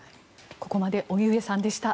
ここまで荻上さんでした。